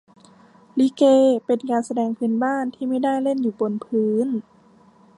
ลิเก เป็นการแสดงพื้นบ้าน ที่ไม่ได้เล่นอยู่บนพื้น